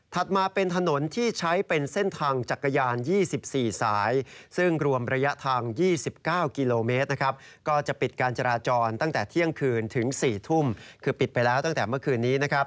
มาเป็นถนนที่ใช้เป็นเส้นทางจักรยาน๒๔สายซึ่งรวมระยะทาง๒๙กิโลเมตรนะครับก็จะปิดการจราจรตั้งแต่เที่ยงคืนถึง๔ทุ่มคือปิดไปแล้วตั้งแต่เมื่อคืนนี้นะครับ